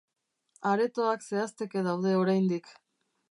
Aretoak zehazteke daude oraindik.